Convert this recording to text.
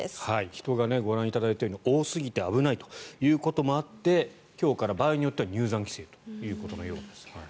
人がご覧いただいたように多すぎて危ないということもあって今日から場合によっては入山規制ということのようです。